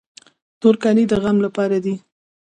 تور کالي د غم لپاره دي.